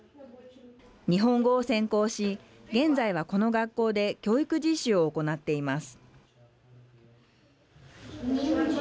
日本語を専攻し現在はこの学校で教育実習を行っています。